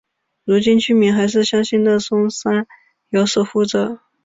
如今居民还是相信乐松山有守护者。